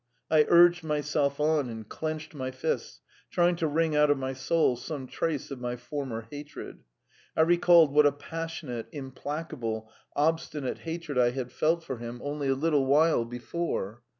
I urged myself on and clenched my fists, trying to wring out of my soul some trace of my former hatred; I recalled what a passionate, implacable, obstinate hate I had felt for him only a little while before.